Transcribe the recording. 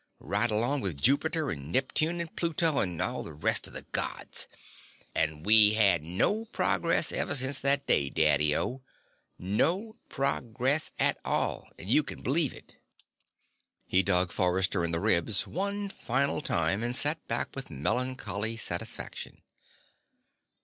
Right along with Jupiter and Neptune and Pluto and all the rest of the Gods. And we had no progress ever since that day, Daddy O, no progress at all and you can believe it." He dug Forrester in the ribs one final time and sat back with melancholy satisfaction.